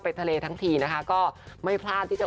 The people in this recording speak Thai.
ทะเลทั้งทีนะคะก็ไม่พลาดที่จะ